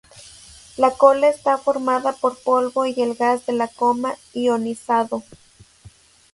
La cola está formada por polvo y el gas de la coma ionizado.